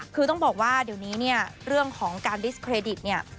คือต้องบอกว่าเดี๋ยวนี้เรื่องของการดิสเครดิต